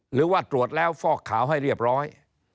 หรือว่าตรวจแล้วฟอกขาวให้เรียบร้อย